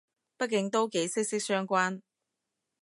畢竟都幾息息相關